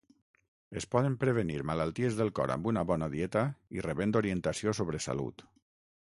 Es poden prevenir malalties del cor amb una bona dieta i rebent orientació sobre salut.